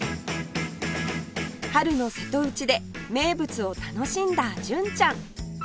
春の瀬戸内で名物を楽しんだ純ちゃん